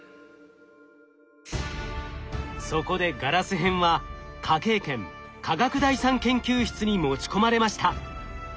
そこでガラス片は科警研化学第三研究室に持ち込まれました。